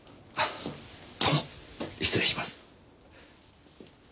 どうも失礼します。